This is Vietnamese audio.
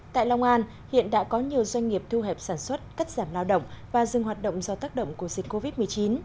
tại long an hiện đã có nhiều doanh nghiệp thu hẹp sản xuất cắt giảm lao động và dừng hoạt động do tác động của dịch covid một mươi chín